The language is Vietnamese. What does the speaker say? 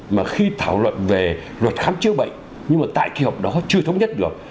mà khi thảo luận về luật khám chữa bệnh nhưng mà tại kỳ họp đó chưa thống nhất được